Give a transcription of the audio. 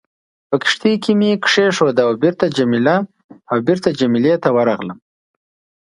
په کښتۍ کې مې کېښوده او بېرته جميله ته ورغلم.